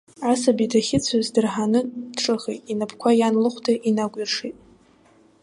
Асаби дахьыцәаз дырҳан дҿыхеит, инапқәа иан лыхәда инакәиршеит.